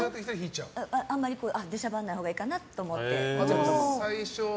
あんまり出しゃばらないほうがいいかなと思って。